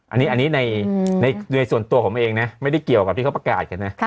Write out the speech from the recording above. อันนี้ในโดยส่วนตัวผมเองนะไม่ได้เกี่ยวกับที่เขาประกาศกันนะ